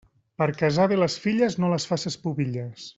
Per casar bé les filles, no les faces pubilles.